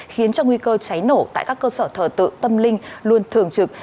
khiến cho nguy cơ cháy nổ tại các cơ sở thờ tự tâm linh luôn thường trực